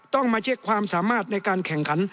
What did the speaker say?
ต้องมาเช็คความสามารถในการแข่งขัน